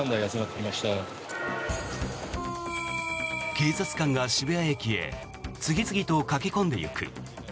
警察官が渋谷駅へ次々と駆け込んでいく。